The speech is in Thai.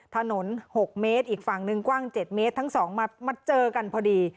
ถนนหกเมตรอีกฝั่งนึงกว้างเจ็ดเมตรทั้งสองมาเจอกันพอดี